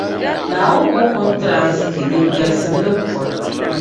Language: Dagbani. Naawuni koŋko n-tiri arzichi din galisi, ni din pɔra.